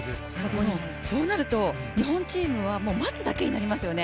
そうなると日本チームは待つだけになりますよね。